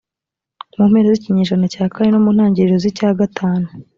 mu mpera z’ikinyejana cya kane no mu ntangiriro z’icya gatanu